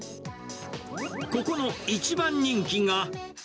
ここの一番人気が。